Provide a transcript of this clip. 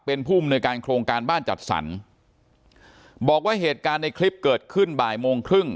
เป็นผู้มนุยการโครงการบ้านจัดสรรบอกว่าเหตุการณ์ในคลิปเกิดขึ้นบ่ายโมงครึ่ง